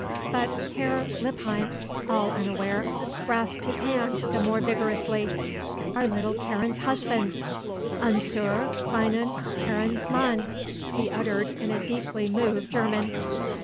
But Herr Lippheim, all unaware, grasped his hand the more vigorously. "Our little Karen's husband!" "Unserer kleinen Karen's Mann!" he uttered in a deeply moved German.